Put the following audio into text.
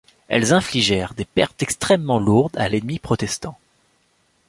Elles infligèrent des pertes extrêmement lourdes à l'ennemi protestant.